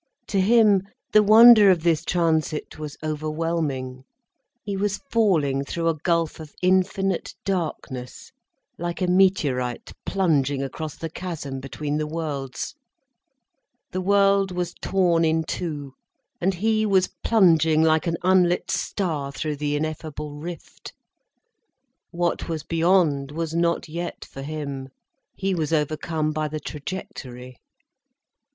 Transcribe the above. To him, the wonder of this transit was overwhelming. He was falling through a gulf of infinite darkness, like a meteorite plunging across the chasm between the worlds. The world was torn in two, and he was plunging like an unlit star through the ineffable rift. What was beyond was not yet for him. He was overcome by the trajectory.